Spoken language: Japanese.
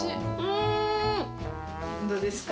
どうですか？